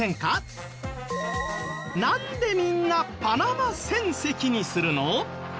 なんでみんなパナマ船籍にするの？